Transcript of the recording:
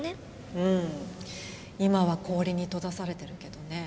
うん今は氷に閉ざされてるけどね。